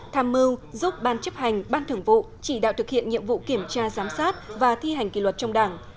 tham mưu giúp ban chấp hành ban thưởng vụ chỉ đạo thực hiện nhiệm vụ kiểm tra giám sát và thi hành kỷ luật trong đảng